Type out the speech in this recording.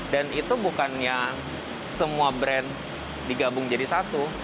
dan itu bukannya semua brand digabung jadi satu